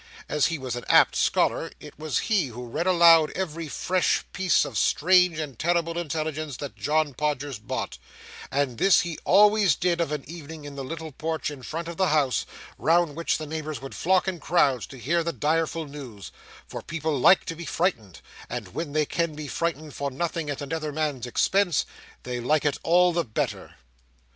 As he was an apt scholar, it was he who read aloud every fresh piece of strange and terrible intelligence that John Podgers bought; and this he always did of an evening in the little porch in front of the house, round which the neighbours would flock in crowds to hear the direful news,—for people like to be frightened, and when they can be frightened for nothing and at another man's expense, they like it all the better.